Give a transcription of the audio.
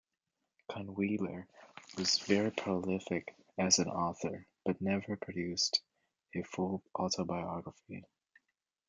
Kahnweiler was very prolific as an author, but never produced a full autobiography.